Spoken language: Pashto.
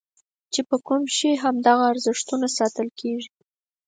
چې په کوم شي چې همدغه ارزښتونه ساتل کېږي.